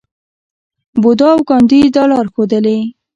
بودا او ګاندي دا لار ښودلې.